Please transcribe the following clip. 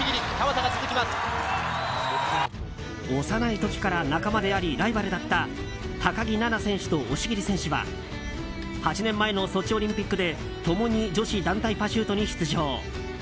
幼い時から仲間でありライバルだった高木菜那選手と押切選手は８年前のソチオリンピックで共に女子団体パシュートに出場。